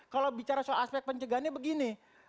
kalau bicara soal aspek pencegahannya begini